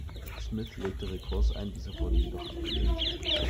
Smith legte Rekurs ein, dieser wurde jedoch abgelehnt.